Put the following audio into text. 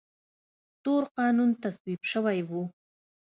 تور قانون تصویب شوی و.